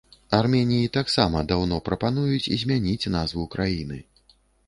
Арменіі таксама даўно прапануюць змяніць назву краіны.